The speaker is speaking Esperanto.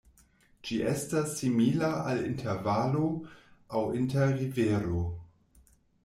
Ĝi estas simila al inter-valo aŭ inter-rivero.